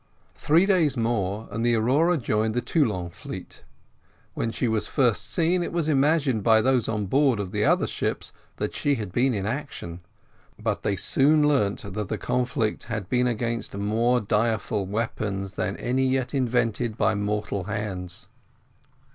Three days more, and the Aurora joined the Toulon fleet. When she was first seen it was imagined by those on board of the other ships that she had been in action; but they soon learned that the conflict had been against more direful weapons than any yet invented by mortal hands.